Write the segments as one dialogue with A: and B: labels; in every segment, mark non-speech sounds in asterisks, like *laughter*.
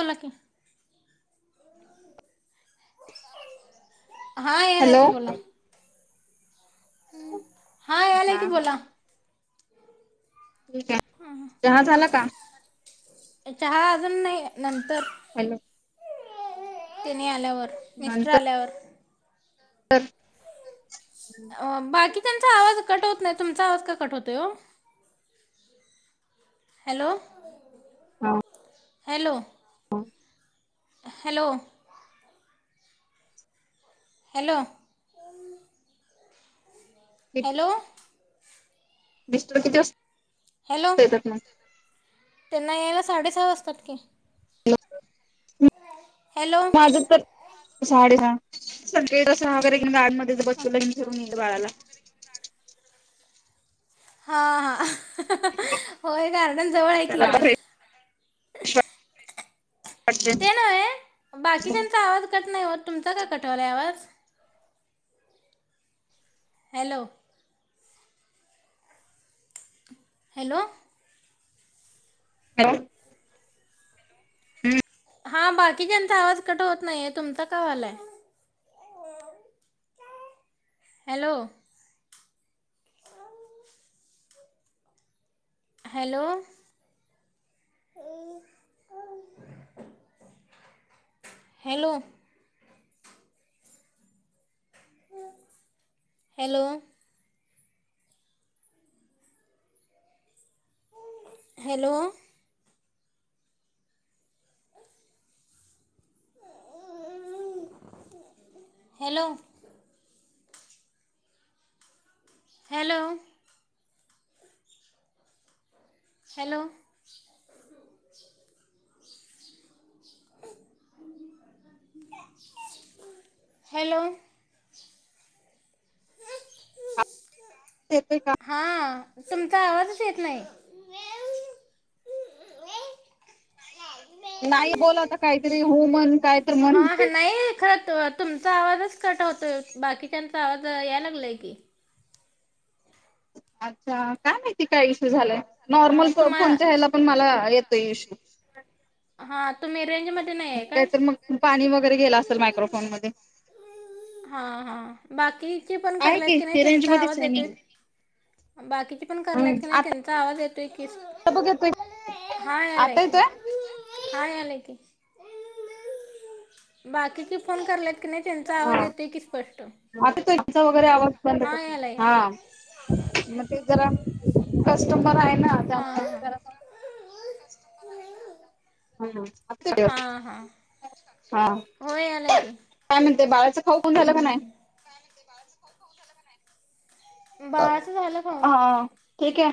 A: बोला की. हा यालाय
B: हॅलो
A: की
B: हा
A: बोला. हा यालाय की
B: हा
A: बोला.
B: ठीक आहे चहा झाला का?
A: चहा अजून नाय नंतर
B: हॅलो.
A: तेनी आल्यावर मिस्टर आल्यावर
B: तर.
A: अ बाकी त्यांचा आवाज कट होत नाई, तुमचा आवाज का कट होतोय ओ? हॅलो.
B: हो.
A: हॅलो.
B: ह.
A: हॅलो. हॅलो. हॅलो.
B: मिस्टर किती वास
A: हॅलो त्यांना यायला साडे सहा वासतात की.
B: Low *unintelligible*
A: hello.
B: अजून तर साडेसहा सकाळी सहा वगैरे घेऊन गार्डनमध्येच बसून फिरून येईल बाळाला.
A: हा हा होय गार्डन जवळ आहे की
B: त्याला
A: इकड.
B: आता फ्रेश *unintelligible*
A: नये बाकीच्यांचा आवाज कट नाय होत तुमचा का कट व्हायलाय आवाज? हॅलो. हॅलो.
B: हॅलो. हम्म.
A: हा बाकीच्यांचा आवाज कट होत नाहीये तुमचा का व्हालाय? Hello. Hello hello hello hello hello hello hello hello
B: येतोय का??
A: हा तुमचा आवाजच येत नाही.
B: नाही बोला आता काहीतरी हुं म्हण काय तर म्हण
A: हा हा नाही कट होत. तुमचा आवाजच कट होतोय बाकीच्यांचा आवाज याय लागलाय की.
B: अच्छा... काय माहिती काय इशू झालाय
A: हां
B: नॉर्मल
A: तुम्हा
B: फोनच्या हेला पण मला येतोय इशू.
A: हा तुम्ही रेंजमध्ये नाहीये काय??
B: मग पाणी वगैरे गेलं असंल मायक्रोफोन मध्ये.
A: हा हा बाकीचे पण
B: आहे
A: करल्यात कणी
B: की रेंज
A: तेंचा
B: मध्येच
A: आवाज
B: आहे मी
A: येतोय. बाकीची पण करल्यात की नाही
B: आता
A: तेंचा आवाज येतोय की.
B: बघ येतोय
A: हा यालाय
B: आता
A: की,
B: येतोय
A: हा यालाय की. बाकीची फोन करल्यात की नाही त्यांचा
B: हा
A: आवाज येतोय की स्पष्ट
B: आता तेंचा वगैरे आवाज बंद
A: हा
B: कर
A: यालाय
B: हा
A: यालाय
B: मग ते जरा कस्टमर हाय ना त्यामुळ मग
A: हां
B: जरासं हम्म असुदे कि.
A: हां हां
B: हा
A: हो यालाय की
B: काय म्हणते बाळाचं खाऊ खाऊन झालं का न्हाय??
A: हम्म. बाळाचं झालं खाऊन.
B: हा ठीक आहे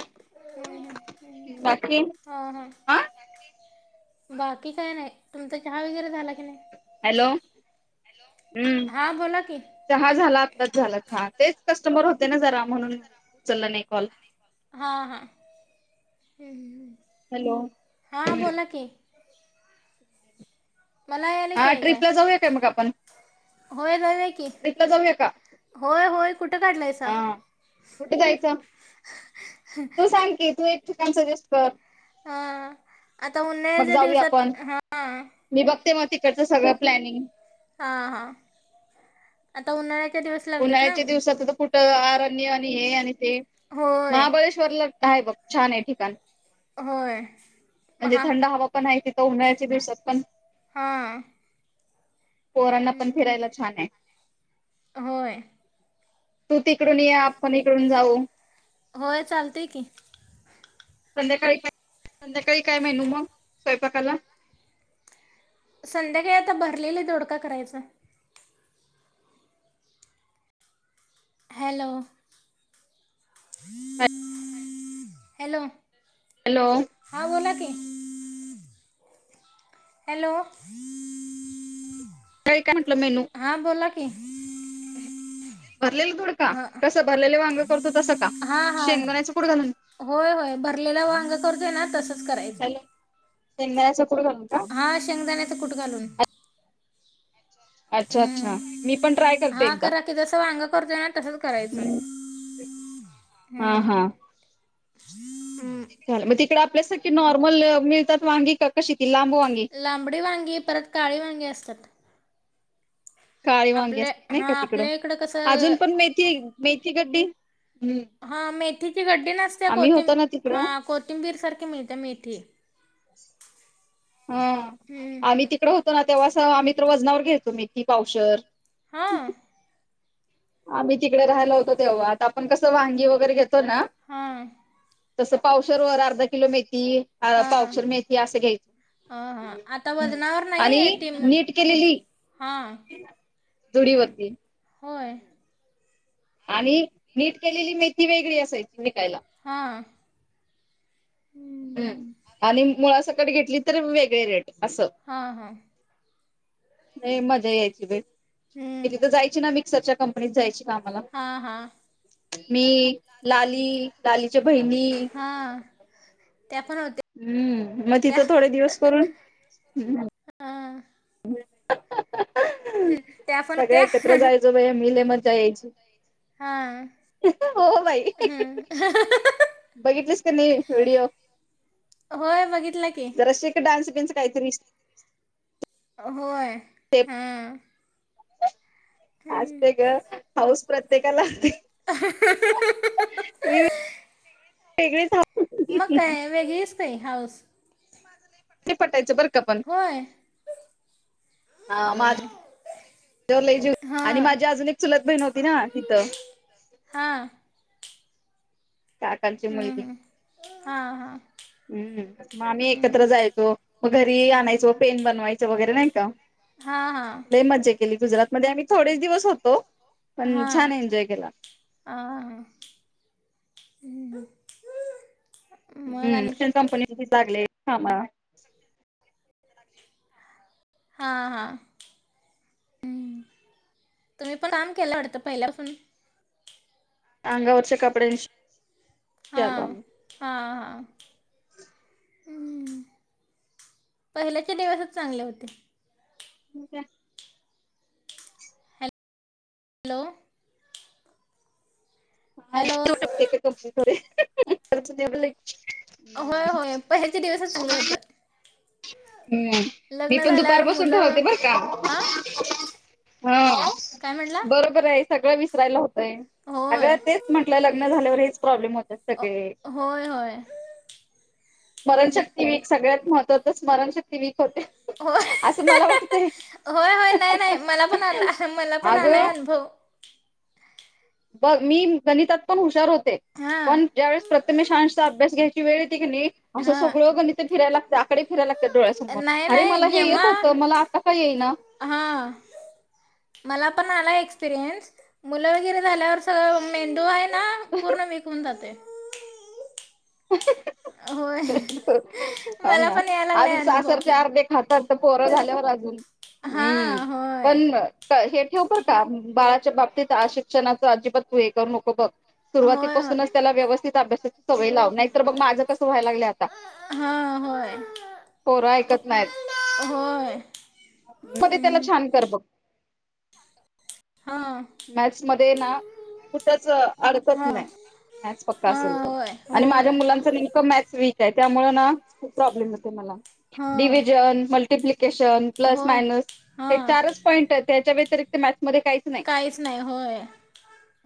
A: हम् हम् हम्...
B: बाकी
A: हा, हा बाकी बाकी काय नाही. तुमचा चहा वगैरे झाला की नाही??
B: हॅलो हम्..
A: हां बोला की
B: चहा झाला आत्ताच झाला चहा तेच कस्टमर होते ना जरा म्हणून उचलला नाही कॉल.
A: हां हा हम्म..
B: हॅलो
A: हां
B: हम्
A: बोला की मला यालय की
B: हा
A: ऐकाय.
B: ट्रिपला जाऊया काय मग आपण
A: होय जाऊया की,
B: ट्रिपला जाऊया का
A: होय होय कुठं काढलायसा??
B: कुठं जायचं?? तू सांग की तू एक ठिकाण सजेस्ट कर.
A: हा आता
B: मग
A: उन्हाळ्याच्या
B: जाऊया
A: दिवसात.
B: आपण
A: हां....
B: मी बघते मग तिकडचं सगळं प्लॅनिंग.
A: हा हा आता उन्हाळ्याचे दिवस लागलेत ना.
B: शक्यतो पुढ आरण्य आणि हे आणि ते
A: होय
B: महाबळेश्वरला हाय बघ छान आहे ठिकाण.
A: होय
B: म्हणजे
A: महा
B: थंड हवा पण हाय तिथं उन्हाळ्याच्या दिवसात पण.
A: हां.
B: पोरांना पण
A: हम्म,
B: फिरायला छान ये.
A: होय....
B: तु तिकडून ये आपण इकडून जाऊ.
A: होय चालतयं की.
B: संध्याकाळी काय संध्याकाळी काय मेनू मग स्वयंपाकाला?
A: संध्याकाळी आता भरलेला दोडका करायचा. हॅलो. हॅलो.
B: हॅलो.
A: हा बोला की. हॅलो.
B: *unintelligible* काय म्हटलं मेनू?
A: हा बोला की.
B: भरलेलं दोडका?
A: हां
B: कसं भरलेले वांग करतो तसं का?
A: हां हां
B: शेंगदाण्याचं कुट घालून.
A: होय होय, भरलेला वांग करतोय ना तसंच करायच.
B: शेंगदाण्याचे कूट घालून का?
A: हा शेंगदाण्याचं कुठं घालून.
B: अच्छा अच्छा मी पण ट्राय करते एकदा.
A: ते जस वांग करतोय ना तसंच करायचं
B: हम् हा हा.
A: हम्म
B: झाल, मग तिकडं आपल्या सारखी नॉर्मल मिळतात वांगी का कशी ती लांब वा
A: लांबडी वांगी, परत काळी वांगी असतात.
B: काळे वांगी
A: आपल्या
B: असतात नाही
A: हा
B: का तिकडं,
A: आपल्या इकडं कसं
B: आजुन पण मेथी- मेथी गड्डी
A: हा मेथीची गड्डी नसत्या,
B: आम्ही
A: कोथिंम
B: होतो ना तिकडं
A: हां को कोथींबीर सारखी मिळत्या मेथी.
B: हा,
A: हम्म
B: आम्ही तिकडे होतो ना तेव्हा अस आम्ही तर वजनावर घ्यायचो मेथी पावशेर
A: हां?
B: आम्ही तिकडे राहियला होतो तेव्हा आता आपण कसं वांगी वगैरे घेतो ना
A: हां.
B: तसं पावशेर वर अर्धा किलो मेथी, अ
A: हा
B: पावशेर मेथी असं
A: ह हा आता
B: घ्यायचं.
A: वजनावर
B: आणि
A: नाही ती
B: नीट केलेली
A: हा
B: जुडी वरती.
A: होय?
B: आणि नीट केलेली मेथी वेगळी असायची विकायला.
A: हां.
B: हम, आणि मुळा सकट घेतली तर वेगळे रेट असं.
A: हां हा.
B: लय मजा यायची बाई, मी तिथं जायची ना मिक्सरच्या कंप कंपनीत जायची कामाला
A: हां हां.
B: मी, लाली, लालीच्या बहिणी.
A: हा त्या पण होत्या?
B: हम्म, म
A: त्या
B: तिथं थोडे दिवस करून हम
A: हा त्या पण
B: सगळ्या
A: होत्या
B: एकत्र जायचो बाई आम्ही लय मजा यायची.
A: हा,
B: हो बाई
A: हम्म.
B: बघितलीस कनी व्हिडिओ,
A: होय बघितलं की
B: जरा शीक डान्स बीन्स कायतरी.
A: होय.
B: ते
A: हा हम्म
B: असते गं. हाऊस प्रत्येकाला असती.
A: *unintelligible*
B: *unintelligible* वेगळीच हाऊ
A: मग काय वेगळीच बाई, हाऊस. माझं लई
B: ते पटायचं, बर का पण. हा माझ, वर लई जीव आणि
A: हां
B: माझ्या अजून एक चुलत बहिण होती ना, तिथं.
A: हां.
B: काकांची
A: हां
B: मुलगी.
A: हां हां
B: हम्. मग आम्ही एकत्र जायचो. मग घरी आणायचो. पेन बनवायचं, वगैरे नाही का?
A: हां
B: लय मज्जा केली गुजरातमध्ये. आम्ही थोडेच दिवस होतो पण
A: हा.
B: छान एन्जॉय केला
A: आ हा, ह. हा.
B: ह्, तिथं कंपनीमध्येच लागले कामाला.
A: हा, हा. हं. तुम्ही पण काम केलं वाटतं, पहिल्यापसुन.
B: अंगावरच्या कपड्यांशी आलो
A: हा.
B: आम्ही
A: हा, हा. हम्. पहिल्याचे दिवसच चांगले होते.
B: मग काय?
A: हॅलो.
B: हा
A: हॅलो
B: तेवट कंपनीमध्ये *unintelligible*
A: होय, होय. पहिलेच दिवसच चांगलं होतं.
B: हम्म. मी
A: लग्न
B: पण
A: झाल्यावर
B: दुपारपासून
A: मुलं
B: ठरवते, बर, का.
A: हा
B: हा,
A: काय म्हणला?
B: बरोबरय. सगळं विसरायला होतय. अगं
A: होय.
B: तेच म्हटलं. लग्न झाल्यावर हेच प्रॉब्लेम होत्यात. सगळे.
A: होय होय
B: स्मरणशक्ती विक, सगळ्यात महत्त्व त्त्वाचं, तर ते स्मरणशक्ती वीक होते.
A: होय.
B: असं मला वाटतय.
A: होय होय नाही नाही मला पण
B: *unintelligible*
A: आला मला पण आलाय
B: अगं
A: अनुभव
B: बघ मी गणितात पण हुशार होते.
A: हा.
B: पण ज्यावेळेस प्रथमेश- अंशचा अभ्यास घ्यायचे वेळ येती कणी, असं
A: हा
B: सगळं गणिते फिरायला लागंते, आकडे फिरायला लागत्यात डोळ्यासमोर.
A: नाही
B: अरे! मला
A: नाही
B: हे येत होतं. मला आता का येईना?
A: हां. मला पण आला एक्सपिरियन्स. मुलं वगैरे झाल्यावर, सगळं मेंदू आहे ना, पूर्ण विक होऊन जातय.
B: *unintelligible*
A: होय.
B: *inaudible* हा,
A: मला
B: ना.
A: पण याय
B: आधी
A: लागलाय अनुभव
B: सासरचे अर्धे खातात. तर पोरं झाल्यावर अजून
A: हा
B: हम.
A: होय.
B: पण हे ठेव बर का. बाळाच्या बाबतीत आ शिक्षणाचं अजिबात तू हे करू नको बघ.
A: होय
B: सुरुवातीपासूनच त्याला व्यवस्थित अभ्यासाची सवय लाव. नाहीतर बग, माझं कसं व्हाय लागलंय आता.
A: हा, होय.
B: पोरं ऐकत नायत.
A: *inaudible* होय.
B: *unintelligible* त्याला
A: हम्म
B: छान कर बघ.
A: हा
B: मॅथ्स मध्ये ना कुठच अडकत
A: हां
B: नाही मॅथ्स पक्का असेल
A: हां
B: तर
A: होय
B: आणि
A: होय
B: माझ्या मुलांचा एक दम मॅथस वीक आहे त्यामुळ ना खूप प्रॉब्लेम येतोय मला.
A: हां
B: डिव्हिजन मल्टिप्लिकेशन प्लस
A: होय
B: मायनस हे
A: हां
B: चारच पॉईंट आहेत त्याच्या व्यतिरिक्त मॅथ्स मध्ये काहीच नाही.
A: काहीच नाही होय.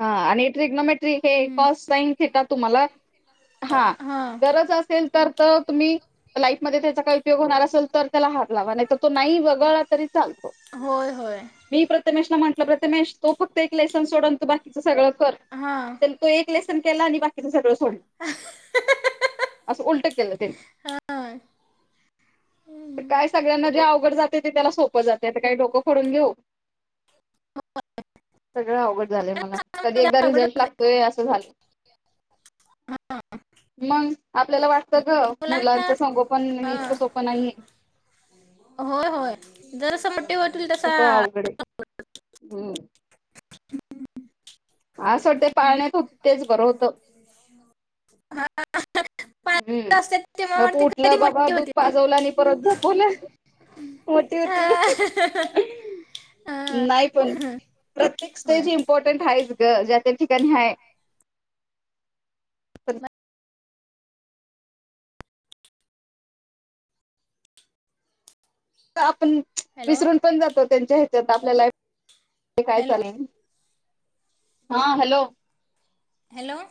B: हा आणि ट्रिग्नोमेट्रीक हे
A: हम्म
B: कॉस साईन थिटा तुम्हाला हा.
A: हा
B: गरज असेल तर तर तुम्ही लाईफमध्ये त्याचा काही उपयोग होणार असेल तर त्याला हात लावा नाहीतर तो नाही वगळला तरी चालतो.
A: होय होय.
B: मी प्रतमेशला म्हटलं प्रतमेश तो फक्त एक लेसन सोड आणि तू बाकीचं सगळं कर.
A: हा
B: त्यानं तो एक लेसन केला आणि बाकीच सगळ सोडल असं उलट केलं तेनी.
A: हां
B: काय सगळ्यांना जे अवघड जातय ते त्याला सोपं जातय आता काय डोकं फोडून घेऊ. सगळं अवघड झालंय मला कधी एकदा रिझल्ट
A: अवघडच आहे
B: लागतोय असं झालं मग आपल्याला वाटतं ग
A: मुलांना
B: मुलांचं संगोपण हे
A: हां
B: इतकं सोपं नाहीये.
A: होय होय जरस मोठी हो
B: खूप आवघड हे हम्म अस वाटतय पाळण्यात होती तेच बरं होतं.
A: हां पाळत
B: हम्
A: असतात तेव्हा
B: गप
A: वाटते कधी
B: उठलं बाबा
A: मोठे
B: दूध
A: होतील
B: पाजवल आणि परत झोपवल. मोठी होतील,
A: हां हां
B: नाही पण प्रत्येक
A: होय
B: स्टेज इम्पॉर्टंट आहेच ग ज्या त्या ठिकाणी आहे. पण आपण
A: हॅलो
B: विसरून पण जातो त्यांच्या ह्याच्यात आपल्या लाईफ काय
A: हॅलो
B: चाललय, हा हॅलो
A: हॅलो